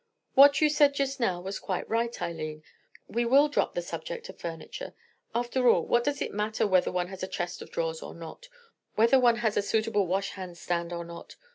What you said just now was quite right, Eileen; we will drop the subject of furniture. After all, what does it matter whether one has a chest of drawers or not, whether one has a suitable washhand stand or not?